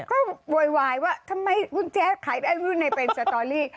ก็โวยวายว่าทำไมคุณแจ๊ดขายได้รุ่นในเป็นสตอรี่